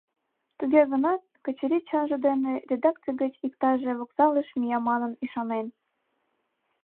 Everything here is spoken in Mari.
Туге гынат, Качырий чонжо дене, редакций гыч иктаже вокзалыш мия манын, ӱшанен.